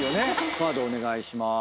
カードお願いします。